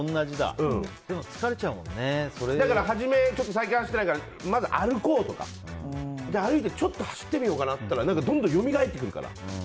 だから、最近は走ってないから初めは歩こうとか。歩いて、ちょっと走ってみようかなって思ったらどんどんよみがえってくるから。